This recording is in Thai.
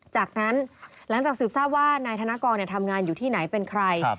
จากนั้นหลังจากสืบทราบว่านายธนกรทำงานอยู่ที่ไหนเป็นใคร